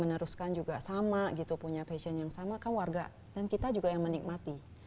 meneruskan juga sama gitu punya passion yang sama kan warga dan kita juga yang menikmati